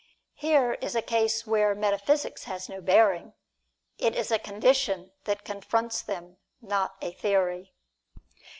Here is a case where metaphysics has no bearing. It is a condition that confronts them, not a theory.